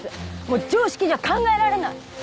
もう常識じゃ考えられない！